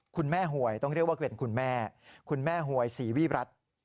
หวยต้องเรียกว่าเป็นคุณแม่คุณแม่หวยศรีวิรัติ